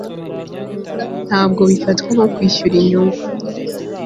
ntabwo bifatwa nko kwishyura inyungu